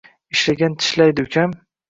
Ishlagan tishlaydi ukam.